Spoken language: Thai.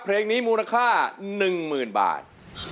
เพลงนี้มูลค่า๑๐๐๐บาท